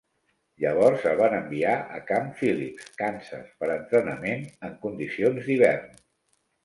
Llavors el van enviar a Camp Phillips, Kansas per entrenament en condicions d'hivern.